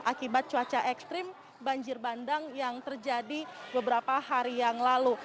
akibat cuaca ekstrim banjir bandang yang terjadi beberapa hari yang lalu